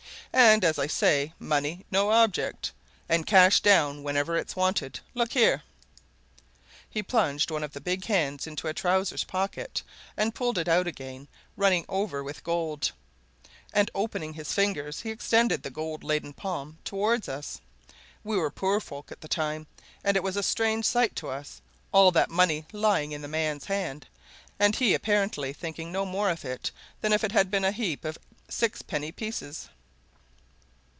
And as I say money no object, and cash down whenever it's wanted. Look here!" He plunged one of the big hands into a trousers' pocket, and pulled it out again running over with gold. And opening his fingers he extended the gold laden palm towards us. We were poor folk at that time, and it was a strange sight to us, all that money lying in the man's hand, and he apparently thinking no more of it than if it had been a heap of six penny pieces.